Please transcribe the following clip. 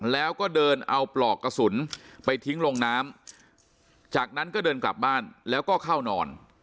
แล้วก็เดินเอาปลอกกระสุนไปทิ้งลงน้ำจากนั้นก็เดินกลับบ้านแล้วก็เข้านอน